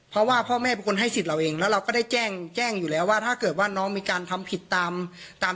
เพราะว่าพ่อแม่เป็นคนให้สิทธิ์เราเองแล้วเราก็ได้แจ้งแจ้งอยู่แล้วว่าถ้าเกิดว่าน้องมีการทำผิดตามตาม